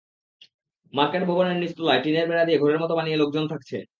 Market ভবনের নিচতলায় টিনের বেড়া দিয়ে ঘরের মতো বানিয়ে লোকজন থাকছে।